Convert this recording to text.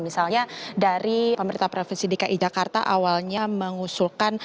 misalnya dari pemerintah provinsi dki jakarta awalnya mengusulkan